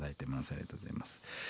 ありがとうございます。